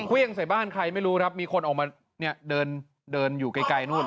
เครื่องใส่บ้านใครไม่รู้ครับมีคนออกมาเนี่ยเดินอยู่ไกลนู่น